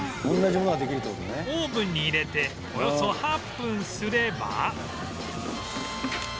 オーブンに入れておよそ８分すれば